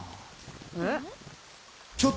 えっ？